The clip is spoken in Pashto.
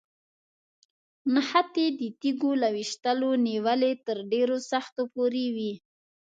نښتې د تیږو له ویشتلو نیولې تر ډېرو سختو پورې وي.